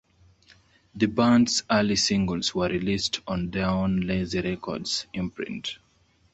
The band's early singles were released on their own Lazy Records imprint.